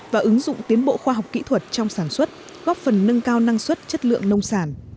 và ứng dụng tiến bộ khoa học kỹ thuật trong sản xuất góp phần nâng cao năng suất chất lượng nông sản